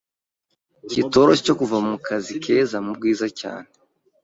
kitoroshye cyo kuva mu kazi keza mu bwiza cyane